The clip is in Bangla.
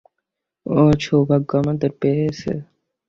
ওর সৌভাগ্য তোমাদের পেয়েছে।